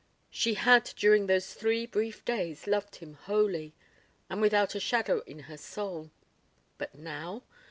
... She had during those three brief days loved him wholly, and without a shadow in her soul. But now?